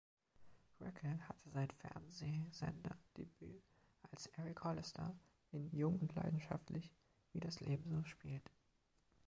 Reckell hatte sein Fernsehsender-Debüt als Eric Hollister in „Jung und Leidenschaftlich – Wie das Leben so spielt“.